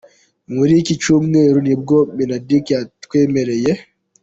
Muri iki cyumweru nibwo Mineduc yatwemereye.